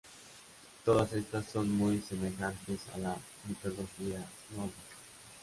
Todas estas son muy semejantes a la mitología nórdica.